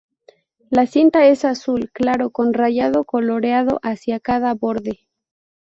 La cinta es azul claro, con rayado coloreado hacia cada borde.